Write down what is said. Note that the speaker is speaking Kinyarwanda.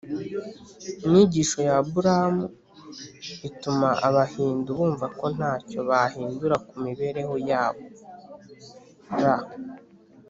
inyigisho ya abulahamu ituma abahindu bumva ko nta cyo bahindura ku mibereho yabo. r